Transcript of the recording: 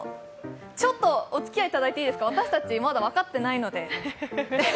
ちょっとおつきあいいただいていいですか、私たち、まだ分かってないので。